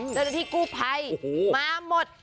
เจ้าหน้าที่กู้ภัยมาหมด